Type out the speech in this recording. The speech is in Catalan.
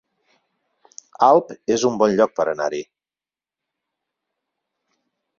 Alp es un bon lloc per anar-hi